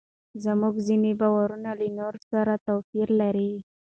زموږ ځینې باورونه له نورو سره توپیر لري.